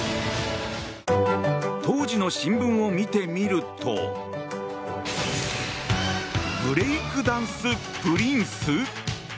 当時の新聞を見てみると。ブレイクダンスプリンス？